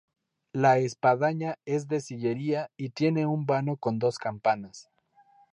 La espadaña es de sillería y tiene un vano con dos campanas.